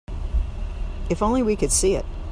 If only we could see it.